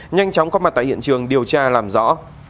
nhanh chóng có mặt tại hiện trường điều tra làm rõ